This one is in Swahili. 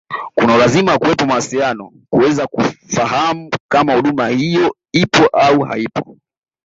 kuna ulazima wa kuwepo mawasiliano kuweza kufahamu kama huduma hiyo ipo au haipo